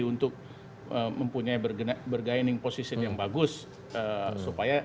untuk mempunyai bergaining position yang bagus supaya